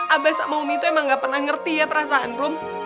abes sama umi tuh emang nggak pernah ngerti ya perasaan rom